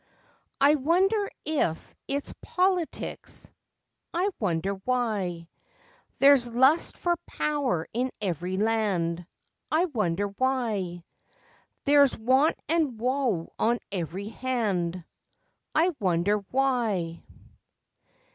I wonder if its politics? I wonder why! There's lust for power in every land, I wonder why! There's want and woe on every hand, I wonder why!